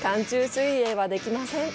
水泳はできません。